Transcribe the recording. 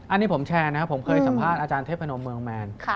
อันนี้ผมแชร์นะครับผมเคยสัมภาษณ์อาจารย์เทพนมเมืองแมน